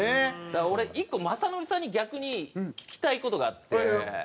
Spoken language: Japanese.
だから俺１個雅紀さんに逆に聞きたい事があって。